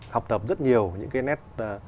học tập rất nhiều những cái nét